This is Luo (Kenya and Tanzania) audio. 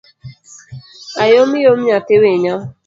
Ayomyom nyathi winyo